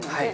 はい。